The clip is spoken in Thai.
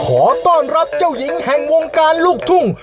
ขอต้อนรับเจ้าหญิงแห่งวงการลูกทุ่ง